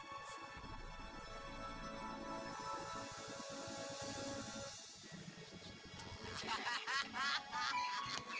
tidak jangan lupa ini periodik vom bima teman kamu